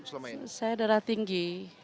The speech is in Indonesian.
saya darah tinggi